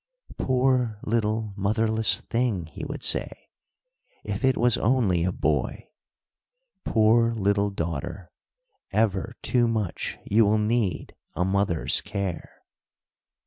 "Poor little motherless thing," he would say: "If it was only a boy!" "Poor little daughter, ever too much you will need a mother's care."